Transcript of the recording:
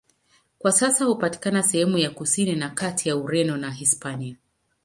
Kwa sasa hupatikana sehemu ya kusini na kati ya Ureno na Hispania.